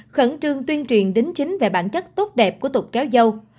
khẩn trương tuyên truyền đính chính về bản chất tốt đẹp của tục kéo dâu